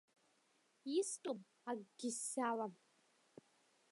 Истәым, акгьы сзалам.